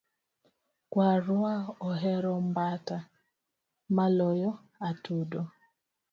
Kwarwa ohero mbata maloyo Atudo